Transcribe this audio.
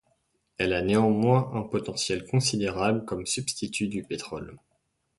Elle a néanmoins un potentiel considérable comme substitut du pétrole.